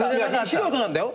素人なんだよ。